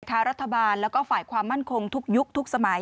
รัฐบาลแล้วก็ฝ่ายความมั่นคงทุกยุคทุกสมัย